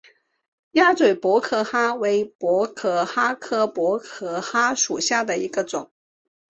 鸭嘴薄壳蛤为薄壳蛤科薄壳蛤属下的一个种。